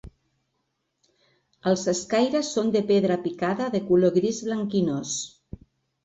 Els escaires són de pedra picada de color gris blanquinós.